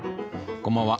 こんばんは。